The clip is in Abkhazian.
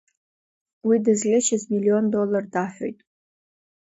Уи дызӷьычыз миллион доллар даҳәоит.